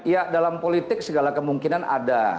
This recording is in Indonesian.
ya dalam politik segala kemungkinan ada